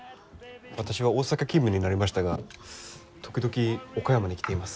私は大阪勤務になりましたが時々岡山に来ています。